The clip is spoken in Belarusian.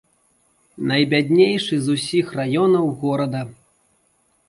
Найбяднейшы з усіх раёнаў горада.